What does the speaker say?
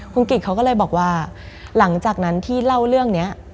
คุณกิจเขาก็เลยบอกว่าหลังจากนั้นที่เล่าเรื่องนี้